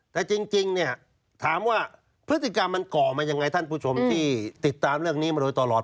แต่จริงเนี่ยถามว่าพฤติกรรมมันก่อมายังไงท่านผู้ชมที่ติดตามเรื่องนี้มาโดยตลอด